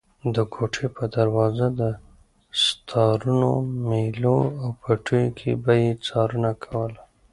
د کوټې په دروازه، دستارونو، مېلو او پټیو کې به یې څارنه کوله.